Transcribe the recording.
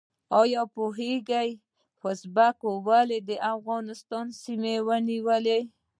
ایا پوهیږئ ازبکو ولې د افغانستان سیمې ونیولې؟